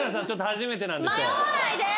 初めてなんで今日。